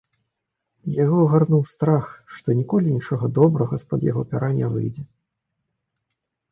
Яго агарнуў страх, што ніколі нічога добрага з-пад яго пяра не выйдзе.